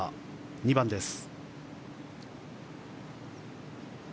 ２番です。